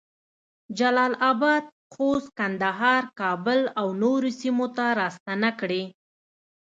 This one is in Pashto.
جلال اباد، خوست، کندهار، کابل اونورو سیمو ته راستنه کړې